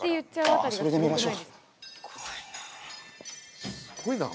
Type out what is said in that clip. それで見ましょ。